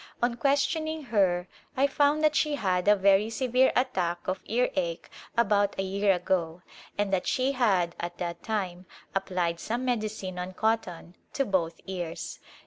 On questioning her I found that she had a very severe attack of ear ache about a year ago and that she had, at that time, applied some medicine on cotton to both ears.